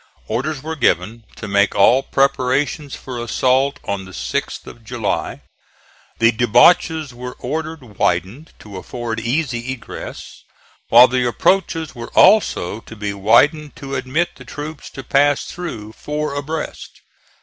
Orders were given to make all preparations for assault on the 6th of July. The debouches were ordered widened to afford easy egress, while the approaches were also to be widened to admit the troops to pass through four abreast.